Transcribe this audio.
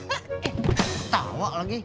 eh ketawa lagi